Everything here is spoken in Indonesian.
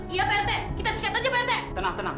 iya pak rt kita sikat aja pak rt